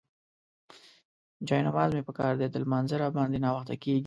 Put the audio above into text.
جاینماز مې پکار دی، د لمانځه راباندې ناوخته کيږي.